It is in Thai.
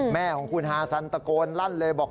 แม่ของคุณฮาซันตะโกนลั่นเลยบอก